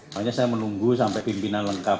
makanya saya menunggu sampai pimpinan lengkap